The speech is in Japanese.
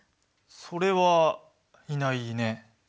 それはいないね。